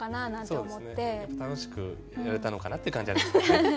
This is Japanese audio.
そうですね楽しくやれたのかなって感じはありますけどね。